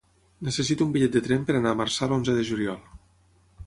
Necessito un bitllet de tren per anar a Marçà l'onze de juliol.